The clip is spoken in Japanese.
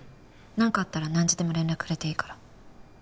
なんかあったら何時でも連絡くれていいから。